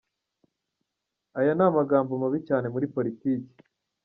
Aya ni amagambo mabi cyane muri politiki.